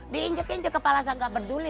diinjek injek kepala saya nggak peduli